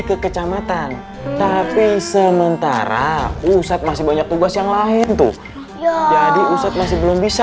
ke kecamatan tapi sementara pusat masih banyak tugas yang lain tuh jadi ustadz masih belum bisa